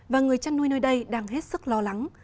và người chăn nuôi nơi đây đang hết sức lo lắng